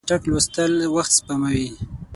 چټک لوستل وخت سپموي.